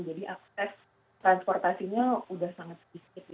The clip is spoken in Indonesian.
jadi akses transportasinya sudah sangat sedikit